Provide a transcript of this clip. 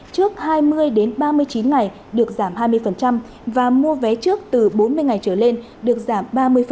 trước hai mươi đến ba mươi chín ngày được giảm hai mươi và mua vé trước từ bốn mươi ngày trở lên được giảm ba mươi